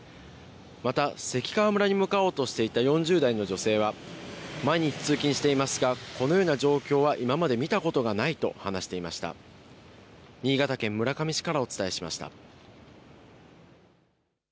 また、関川村に向かおうとしていた４０代の女性は、毎日通勤していますが、このような状況は今まで見たことがないと話していました。